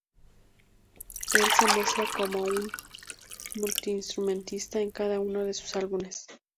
Él se muestra como multi-instrumentista en cada uno de sus álbumes.